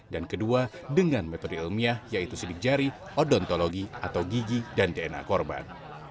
dan kedua dengan metode ilmiah yaitu sidik jari odontologi atau gigi dan dna korban